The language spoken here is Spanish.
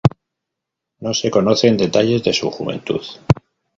No se conocen detalles de su juventud.